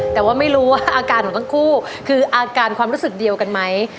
แต่ว่าไม่รู้ว่าอาการของทั้งคู่คืออาการความรู้สึกเดียวกันไหม